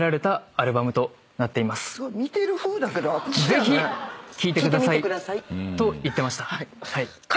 ぜひ聴いてください。と言ってました。